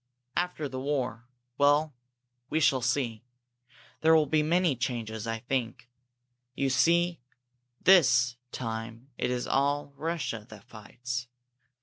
After this war well, we shall see! There will be many changes, I think. You see, this time it is all Russia that fights.